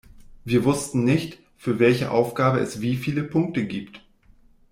Wir wussten nicht, für welche Aufgabe es wie viele Punkte gibt.